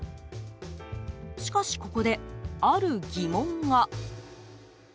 しかし、ここである疑問が。